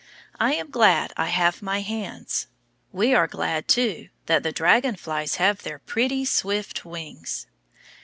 I am glad I have my hands. We are glad, too, that the dragon flies have their pretty, swift wings.